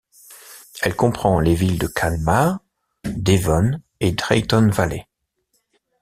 Elle comprend les villes de Calmar, Devon et Drayton Valley.